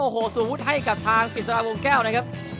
โอ้โหสู่พุธให้กับทางปิดสระวงแก้วนะครับ